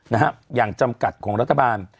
นะฮะอย่างจำกัดของรัฐบาล